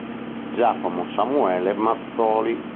Giacomo Samuele Mazzoli